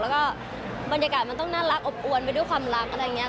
แล้วก็บรรยากาศมันต้องน่ารักอบอวนไปด้วยความรักอะไรอย่างนี้